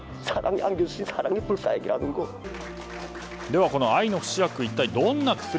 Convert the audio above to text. では、この愛の不死薬